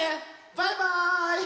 バイバーイ。